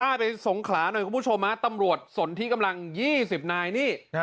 ไปสงขลาหน่อยคุณผู้ชมฮะตำรวจสนที่กำลัง๒๐นายนี่